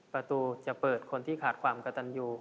ประตูจะเปิดคนที่ขาดความกระตันอยู่